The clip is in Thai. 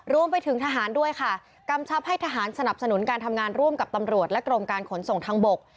รวมไปถึงทหารด้วยค่ะกำชับให้ทหารสนับสนุนการทำงานร่วมกับตำรวจและกรมการขนส่งทางบก